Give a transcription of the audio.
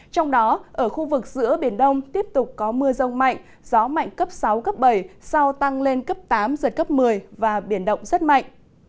trong đó ở khu vực giữa biển đông tiếp tục có mưa rông mạnh gió mạnh cấp sáu cấp bảy sau tăng lên cấp tám giật cấp một mươi và biển động rất mạnh